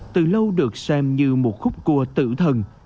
từ lâu được xem như một khúc cua tử thần